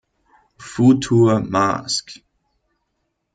Futur mask.